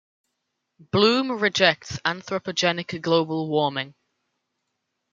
Bloom rejects anthropogenic global warming.